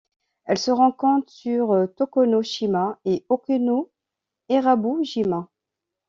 Elle se rencontre sur Tokuno-shima et Okino-erabu-jima.